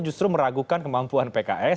justru meragukan kemampuan pks